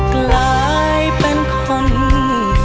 กลายเป็นของเจ้า